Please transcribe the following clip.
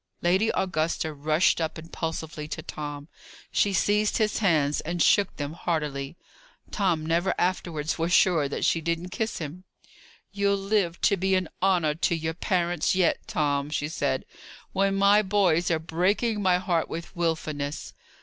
Lady Augusta rushed up impulsively to Tom. She seized his hands, and shook them heartily. Tom never afterwards was sure that she didn't kiss him. "You'll live to be an honour to your parents yet, Tom," she said, "when my boys are breaking my heart with wilfulness."